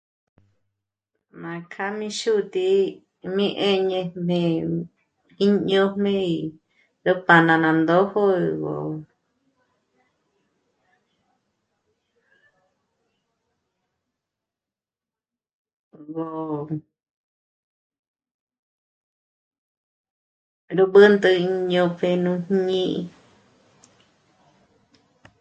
M'a k'â'a mi xútǐ'i mí 'éñejmé'... í ñójme yo pá ná ná ndójo gó... ró b'ǘntü íñojpje nù ñî'i